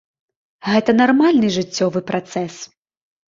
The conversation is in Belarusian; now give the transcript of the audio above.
Гэта нармальны жыццёвы працэс.